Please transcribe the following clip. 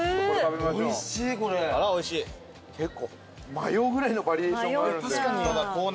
迷うぐらいのバリエーションがあるんで。